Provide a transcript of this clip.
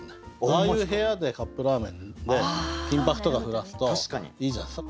ああいう部屋でカップラーメンで金箔とか降らすといいじゃないですか。